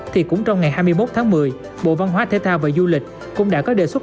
thì cũng trong ngày hai mươi một tháng một mươi bộ văn hóa thể thao và du lịch cũng đã có đề xuất